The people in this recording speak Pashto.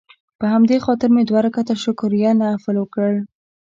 په همدې خاطر مې دوه رکعته شکريه نفل وکړ.